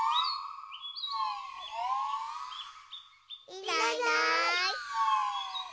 いないいない。